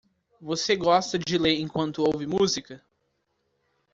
Você gosta de ler enquanto ouve música?